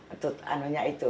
itu anunya itu